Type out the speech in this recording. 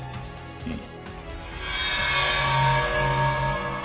うん。